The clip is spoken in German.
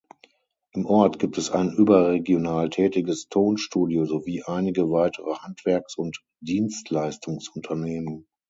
Im Ort gibt es ein überregional tätiges Tonstudio sowie einige weitere Handwerks- und Dienstleistungsunternehmen.